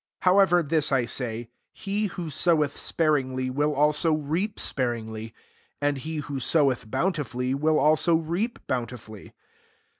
6 However, this / «ay. He who soweth sparingly, will also reap sparingly; and he who sow^eth bountifully, will also reap bountifully.